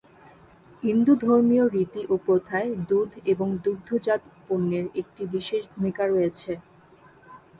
হিন্দু ধর্মীয় রীতি ও প্রথায় দুধ এবং দুগ্ধজাত পণ্যের একটি বিশেষ ভূমিকা রয়েছে।